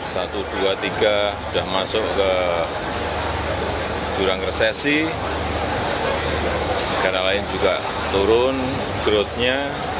satu dua tiga sudah masuk ke jurang resesi negara lain juga turun growthnya